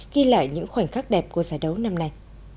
ghi lại những khoảnh khắc đẹp của giải đấu năm nay